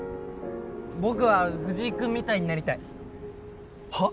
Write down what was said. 僕は藤井君みたいになりたいはっ？